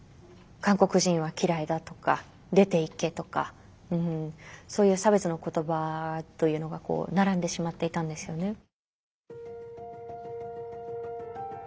「韓国人は嫌いだ」とか「出ていけ」とかそういう差別の言葉というのが並んでしまっていたんですよね。